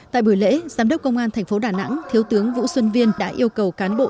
tại buổi lễ giám đốc công an thành phố đà nẵng thiếu tướng vũ xuân viên đã yêu cầu cán bộ